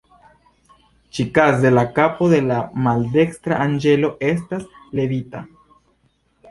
Ĉi-kaze, la kapo de la maldekstra anĝelo estas levita.